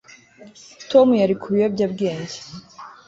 Tom yari ku biyobyabwenge